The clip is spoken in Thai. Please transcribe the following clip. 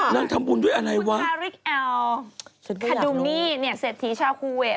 ทำบุญด้วยอะไรวะคาริกอัลคาดูมี่เนี่ยเศรษฐีชาวคูเวท